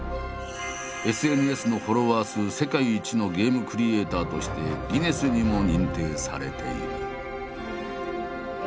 ＳＮＳのフォロワー数世界一のゲームクリエイターとしてギネスにも認定されている。